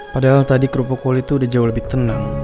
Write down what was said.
padahal tadi krupuk woli tuh udah jauh lebih tenang